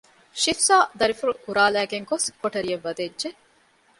ޝިފްޒާ ދަރިފުޅު އުރާލައިގެން ގޮސް ކޮޓަރިއަށް ވަދެއްޖެ